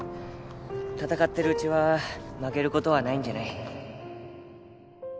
戦ってるうちは負けることはないんじゃない？